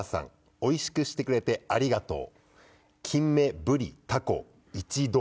おいしくしてくれてありがとう。